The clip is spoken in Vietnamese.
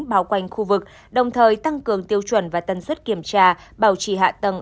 bao quanh khu vực đồng thời tăng cường tiêu chuẩn và tân xuất kiểm tra bảo trì hạ tầng